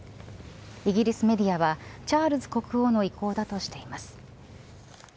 イギリスメディアはチャールズ国王の意向だとしています。